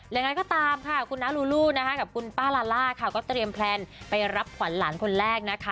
และอย่างนั้นก็ตามคุณนารูรูครับกับคุณป้าลาล่าก็เตรียมแพลนไปรับขวานหลานคนแรกนะคะ